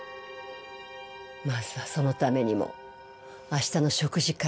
まずはそのためにも明日の食事会